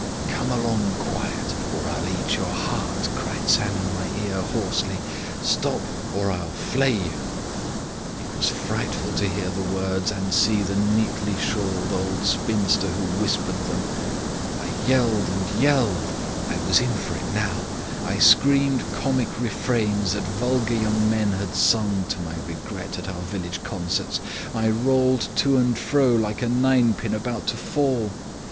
"'Come along quiet, or I'll eat your heart,' cried Sam in my ear hoarsely. 'Stop, or I'll flay you.' It was frightful to hear the words and see the neatly shawled old spinster who whispered them. "I yelled, and yelled I was in for it now. I screamed comic refrains that vulgar young men had sung, to my regret, at our village concerts; I rolled to and fro like a ninepin about to fall.